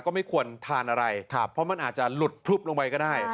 ก็ไม่ควรทานอะไรเพราะมันอาจจะหลุดพลุบลงไปก็ได้